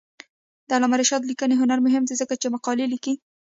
د علامه رشاد لیکنی هنر مهم دی ځکه چې مقالې لیکي.